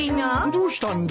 どうしたんだ？